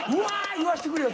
言わしてくれよ？